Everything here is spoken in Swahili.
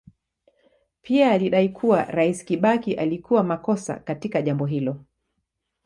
Pia alidai kuwa Rais Kibaki alikuwa makosa katika jambo hilo.